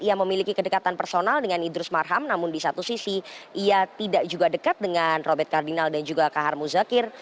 ia memiliki kedekatan personal dengan idrus marham namun di satu sisi ia tidak juga dekat dengan robert kardinal dan juga kahar muzakir